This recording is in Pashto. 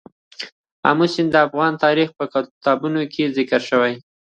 آمو سیند د افغان تاریخ په کتابونو کې ذکر شوی دی.